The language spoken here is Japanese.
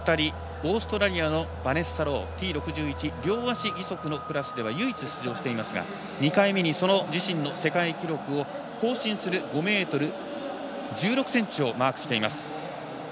オーストラリアのバネッサ・ローＴ６１、両足義足のクラスでは唯一出場していますが２回目に自身の世界記録を更新する５ｍ１６ｃｍをマークしています。